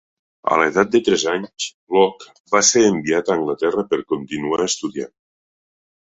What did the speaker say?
A l'edat de tres anys, Locke va ser enviat a Anglaterra per continuar estudiant.